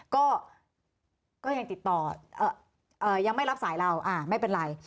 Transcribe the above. ก็ยังติดต่อยังไม่รับสายเราไม่เป็นไร